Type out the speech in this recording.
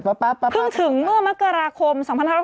เพิ่งถึงเมื่อมกราคม๒๕๖๐